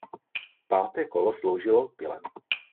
Páté kolo sloužilo pile.